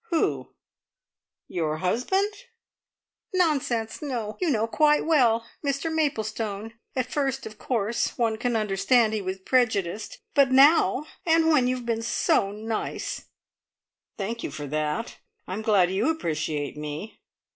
"Who? Your husband?" "Nonsense. No. You know quite well Mr Maplestone. At first, of course, one can understand he was prejudiced; but now! And when you have been so nice!" "Thank you for that. I'm glad you appreciate me.